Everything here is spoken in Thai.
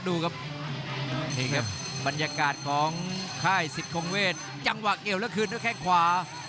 ดูครับบรรยากาศของค่ายสิทธิ์คงเวชจังหวะเกี่ยวละคืนด้วยแค่งขวา